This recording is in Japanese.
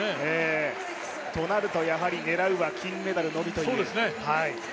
となると、やはり狙うは金メダルのみという。